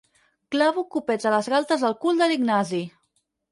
Clavo copets a les galtes del cul de l'Ignasi.